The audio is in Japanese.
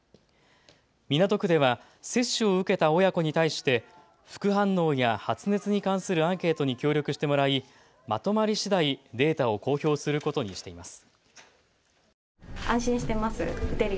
港区では接種を受けた親子に対して副反応や発熱に関するアンケートに協力してもらいまとまりしだいデータを公表することにしています。